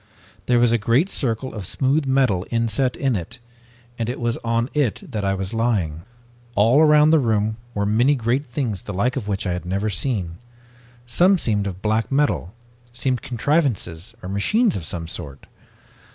There was a great circle of smooth metal inset in it, and it was on it that I was lying. "All around the room were many great things the like of which I had never seen. Some seemed of black metal, seemed contrivances or machines of some sort.